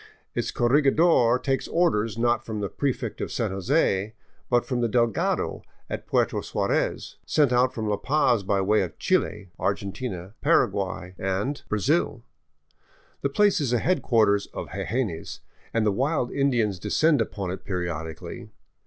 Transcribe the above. Its corregidor takes orders, not from the subprefect of San Jose, but from the delegado at Puerto Suarez, sent out from La Paz by way of Chile, Argentina, Paraguay, and 597 VAGABONDING DOWN THE ANDES Brazil ! The place is a headquarters of jejenes, and the wild Indians descend upon it periodically.